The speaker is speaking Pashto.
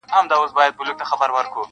• تقدیر پاس په تدبیرونو پوري خاندي -